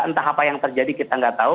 entah apa yang terjadi kita nggak tahu